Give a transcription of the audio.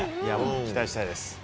期待したいです。